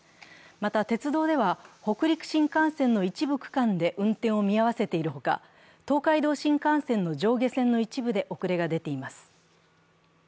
また、鉄道では北陸新幹線の一部区間で運転を見合わせているほか東海道新幹線の上下線の一部で遅れが出ています。